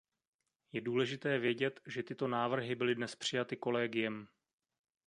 Je důležité vědět, že tyto návrhy byly dnes přijaty kolegiem.